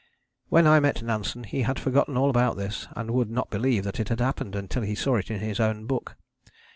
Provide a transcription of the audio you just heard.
When I met Nansen he had forgotten all about this, and would not believe that it had happened until he saw it in his own book.